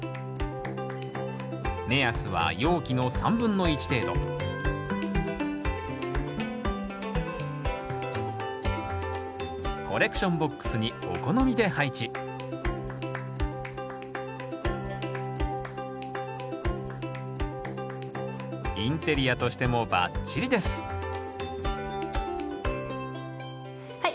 目安は容器の３分の１程度コレクションボックスにお好みで配置インテリアとしてもバッチリですはい。